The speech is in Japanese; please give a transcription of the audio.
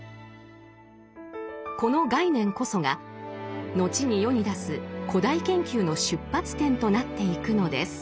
この概念こそが後に世に出す「古代研究」の出発点となっていくのです。